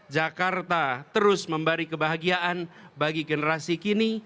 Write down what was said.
jadi jakarta terus memberi kebahagiaan bagi generasi kini